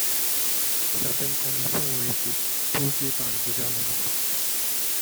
Certaines conditions ont été posées par le Gouvernement.